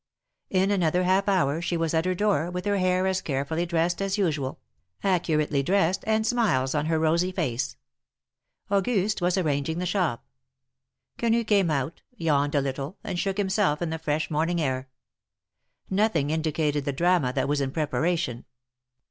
In another half hour she was at her door, with her hair as carefully dressed as usual — accurately dressed and smiles 288 THE MARKETS OF PARIS. on her rosy face. Auguste was arranging the shop. Quenu came out, yawned a little, and shook himself in the fresh morning air. Nothing indicated the drama that was in preparation.